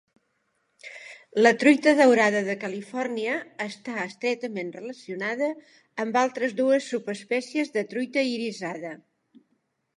La truita daurada de Califòrnia està estretament relacionada amb altres dues subespècies de truita irisada.